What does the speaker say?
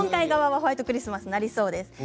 ホワイトクリスマスになりそうですね。